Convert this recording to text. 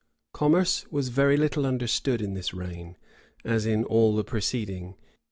Commerce was very little understood in this reign, as in all the preceding.